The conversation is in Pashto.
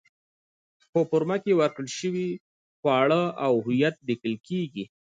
په فورمه کې ورکړل شوي خواړه او هویت لیکل کېږي.